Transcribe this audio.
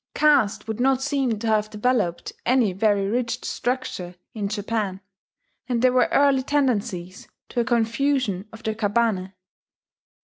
Caste would not seem to have developed any very rigid structure in Japan; and there were early tendencies to a confusion of the kabane.